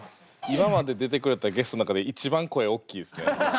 今まで出てくれたゲストの中で一番声おっきいっすね。